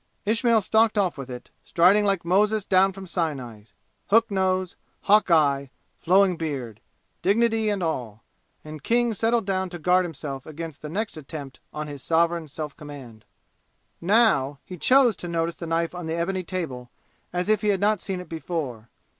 Ismail stalked off with it, striding like Moses down from Sinai hook nose hawk eye flowing beard dignity and all, and King settled down to guard himself against the next attempt on his sovereign self command. Now he chose to notice the knife on the ebony table as if he had not seen it before.